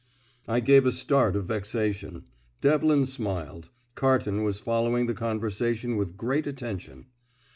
I gave a start of vexation; Devlin smiled; Carton was following the conversation with great attention.